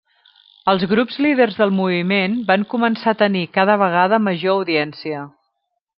Els grups líders del moviment van començar a tenir cada vegada major audiència.